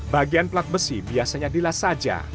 bagian plat besi biasanya dilas saja